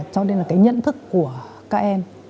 cho nên là cái nhận thức của các em